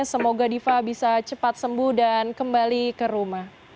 semoga diva bisa cepat sembuh dan kembali ke rumah